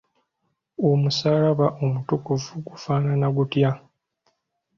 Omusaalaba omutukuvu gufaanana gutya?